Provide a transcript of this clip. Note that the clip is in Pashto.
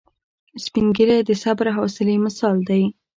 سپین ږیری د صبر او حوصلې مثال دی